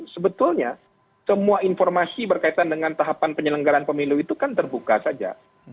sebetulnya semua informasi berkaitan dengan tahapan penyelenggaran pemilu itu kan terbuka saja